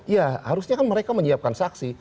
ya harusnya kan mereka menyiapkan saksi